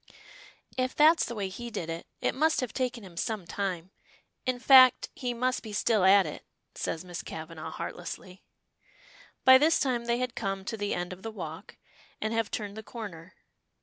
"If that's the way he did it, it must have taken him some time. In fact, he must be still at it," says Miss Kavanagh, heartlessly. By this time they had come to the end of the walk, and have turned the corner.